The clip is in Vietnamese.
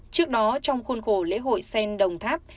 trước đó trong khuôn khổ lễ hội sen đồng tháp